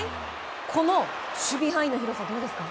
この守備範囲の広さどうですか？